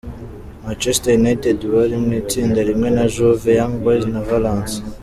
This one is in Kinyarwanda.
Manchester United bari mw'itsinda rimwe na Juve, Young Boys na Valence.